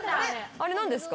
あれ何ですか？